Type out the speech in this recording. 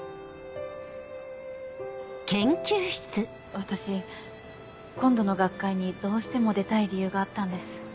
私今度の学会にどうしても出たい理由があったんです。